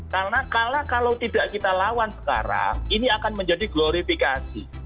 karena kalau tidak kita lawan sekarang ini akan menjadi glorifikasi